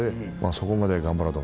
そこまでは頑張ろうと。